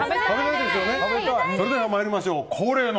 それでは参りましょう恒例の。